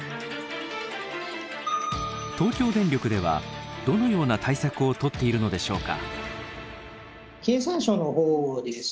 東京電力ではどのような対策を取っているのでしょうか。